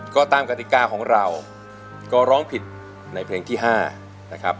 ก็ตามกติกาของเราก็ร้องผิดในเพลงที่๕นะครับ